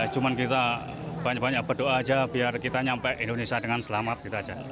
cuma kita banyak banyak berdoa aja biar kita nyampe indonesia dengan selamat gitu aja